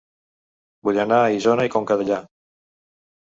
Vull anar a Isona i Conca Dellà